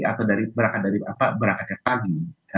atau berangkat dari pagi